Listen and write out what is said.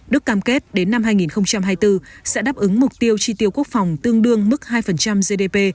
đức cam kết đến năm hai nghìn hai mươi bốn sẽ đáp ứng mục tiêu tri tiêu quốc phòng tương đương mức hai gdp